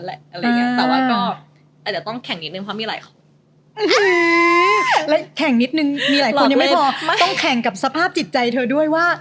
แล้วแข่งนิดนึงมีหลายคนยังไม่พอต้องแข่งกับสภาพจิตใจเธอด้วยว่า